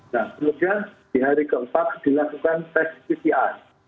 nah kemudian di hari keempat dilakukan tes pcr